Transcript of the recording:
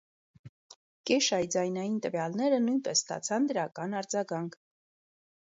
Կեշայի ձայնային տվյալները նույնպես ստացան դրական արձագանք։